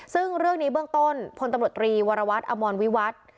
ซึ่งเรื่องนี้เบื้องต้นพลตำรวจตรีวรวัตรอมรวิวัตร